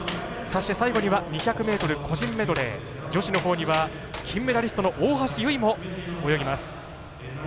そして、最後には２００ｍ個人メドレー女子のほうには金メダリストの大橋悠依も泳ぎます。